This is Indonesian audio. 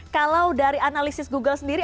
kalau dari analisis google sendiri